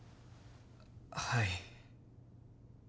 はい。